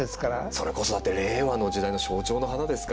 それこそだって令和の時代の象徴の花ですから。